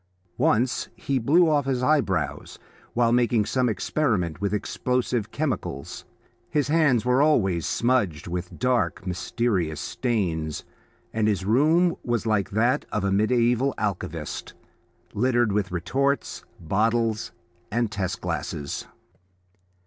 Once he blew off his eyebrows while making some experiment with explosive chemicals; his hands were always smudged with dark, mysterious stains, and his room was like that of a mediaeval alchemist, littered with retorts, bottles, and test glasses.